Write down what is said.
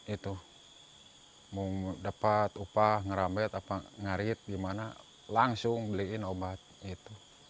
itu mau dapat upah ngerambet apa ngarit gimana langsung beliin obat itu